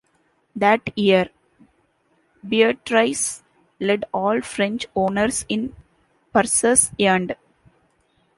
That year, Beatrice led all French owners in purses earned.